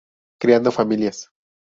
Creando familias.